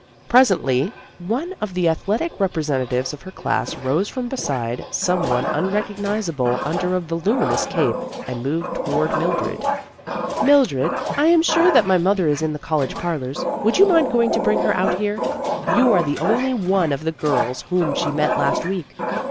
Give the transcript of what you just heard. Presently one of the athletic representatives of her class rose from beside some one unrecognizable un der a voluminous cape, and moved toward Mildred. " Mildred, I am sure that my mother is in the college parlors. Would you mind going to bring her out here ? You are the only one of the girls whom she met last week."